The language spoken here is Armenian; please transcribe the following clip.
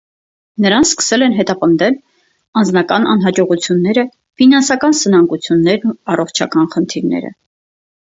Նրան սկսել են հետապնդել անձնական անհաջողությունները, ֆինանսական սնանկություններն ու առողջական խնդիրները։